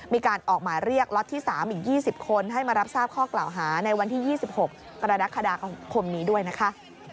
มีการออกหมายเรียกล็อตที่๓อีก๒๐คนให้มารับทราบข้อกล่าวหาในวันที่๒๖กรกฎาคมนี้ด้วยนะคะ